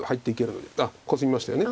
あっコスみましたよね。